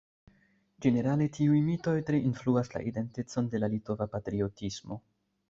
Ĝenerale tiuj mitoj tre influas la identecon de la litova patriotismo.